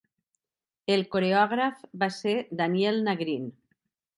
El coreògraf va ser Daniel Nagrin.